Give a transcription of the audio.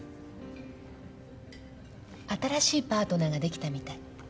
新しいパートナーができたみたい。